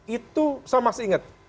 itu saya masih ingat